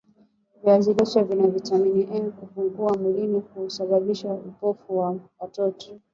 viazi lishe vina vitamin A ikipungua mwilini husababisha upofu kwa watoto